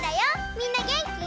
みんなげんき？